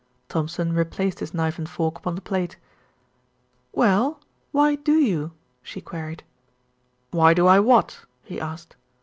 Thompson replaced his knife and fork upon the plate. "Well, why do you?" she queried. "Why do I what?" he asked.